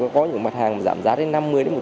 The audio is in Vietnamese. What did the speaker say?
có những mặt hàng giảm giá đến năm mươi một trăm linh